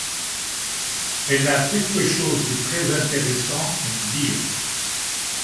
Elle a quelque chose de très-intéressant à vous dire.